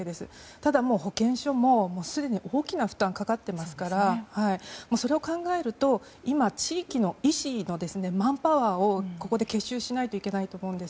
ただ、もう保健所にも、すでに大きな負担がかかってますからそれを考えると今、地域の医師のマンパワーをここで結集しないといけないと思うんです。